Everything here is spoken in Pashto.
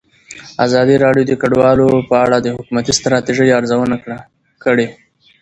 ازادي راډیو د کډوال په اړه د حکومتي ستراتیژۍ ارزونه کړې.